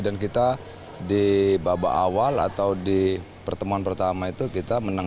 dan kita di babak awal atau di pertemuan pertama itu kita menang tiga satu